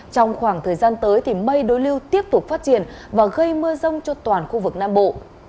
trong khoảng thời gian tới thì mây đối lưu tiếp tục phát triển và gây mưa rông cho toàn khu vực nam bộ